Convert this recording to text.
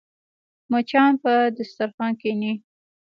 مچان پر دسترخوان کښېني